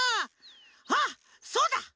あっそうだ！